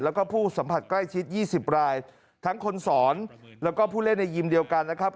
แล้วก็ผู้สัมผัสใกล้ชิด๒๐รายทั้งคนสอนแล้วก็ผู้เล่นในยิมเดียวกันนะครับ